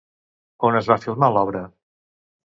On es va filmar l'obra?